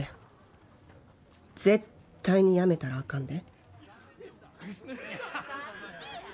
絶対にやめたらあかんで。